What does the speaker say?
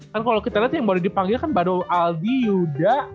kan kalo kita liat yang baru dipanggil kan bado aldi yuda